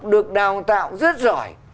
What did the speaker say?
được đào tạo rất giỏi